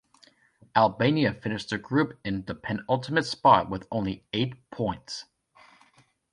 Albania finished the group in the penultimate spot with only eight points.